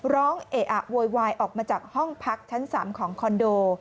เอะอะโวยวายออกมาจากห้องพักชั้น๓ของคอนโด